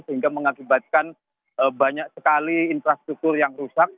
sehingga mengakibatkan banyak sekali infrastruktur yang rusak